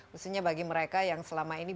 khususnya bagi mereka yang selama ini